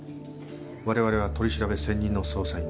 我々は取り調べ専任の捜査員です。